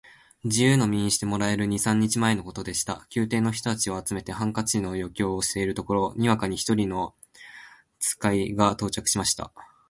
自由の身にしてもらえる二三日前のことでした。宮廷の人たちを集めて、ハンカチの余興をしているところへ、にわかに一人の使が到着しました。